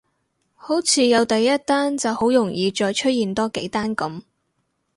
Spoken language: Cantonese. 好似有第一單就好容易再出現多幾單噉